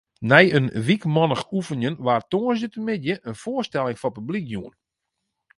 Nei in wykmannich oefenjen waard tongersdeitemiddei in foarstelling foar publyk jûn.